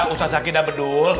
ustaz zakin udah bedul